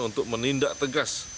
untuk menindak tegas